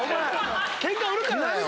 ケンカ売るからだよ。